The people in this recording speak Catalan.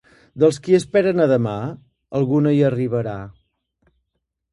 Dels qui esperen a demà, algun no hi arribarà.